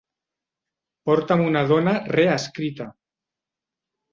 Porta'm una dona reescrita.